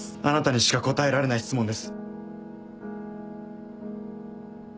あなたにしか答えられない質問です！